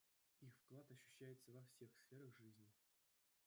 Их вклад ощущается во всех сферах жизни.